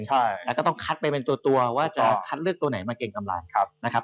ใช่แล้วก็ต้องคัดไปเป็นตัวว่าจะคัดเลือกตัวไหนมาเกรงกำไรนะครับ